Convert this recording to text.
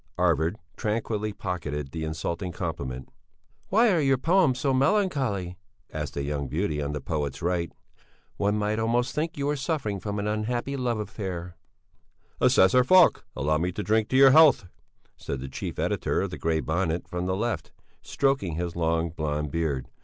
Arvid tranquilly pocketed the insulting compliment. "Why are your poems so melancholy?" asked a young beauty on the poet's right. "One might almost think you were suffering from an unhappy love affair." "Assessor Falk, allow me to drink your health," said the chief editor of the Grey Bonnet, from the left, stroking his long, blond beard.